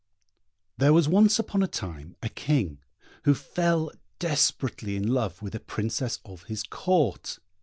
There was once upon a time a King, who fell desperately in love with a Princess of his Court.